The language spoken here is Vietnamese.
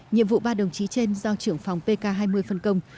nhiệm vụ ba đồng chí trên do trưởng phòng pk hai mươi phân công